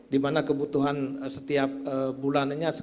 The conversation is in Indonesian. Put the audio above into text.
dimana kebutuhan setiap bulannya